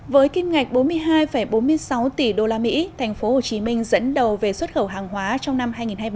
với kim ngạch bốn mươi hai bốn mươi sáu tỷ usd tp hcm dẫn đầu về xuất khẩu hàng hóa trong năm hai nghìn hai mươi ba